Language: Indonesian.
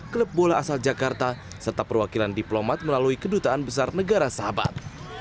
klub bola asal jakarta serta perwakilan diplomat melalui kedutaan besar negara sahabat